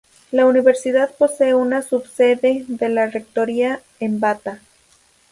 La universidad posee una subsede de la rectoría en Bata.